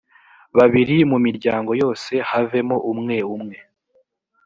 babiri mu miryango yose havemo umwe umwe